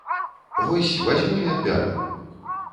Вось вазьму і адбяру.